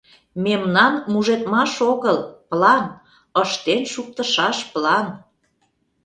Мемнан мужедмаш огыл — план, ыштен шуктышаш план.